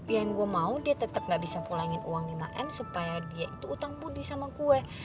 yang gue mau dia tetap gak bisa pulangin uang lima m supaya dia itu utang budi sama kue